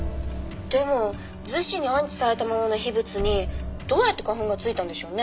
でも厨子に安置されたものの秘仏にどうやって花粉がついたんでしょうね？